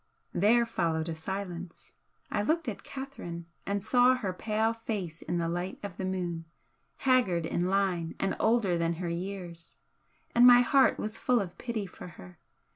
There followed a silence. I looked at Catherine and saw her pale face in the light of the moon, haggard in line and older than her years, and my heart was full of pity for her.